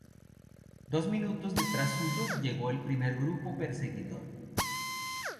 Dos minutos detrás suyo llegó el primer grupo perseguidor.